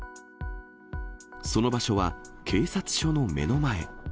その場所は警察署の目の前。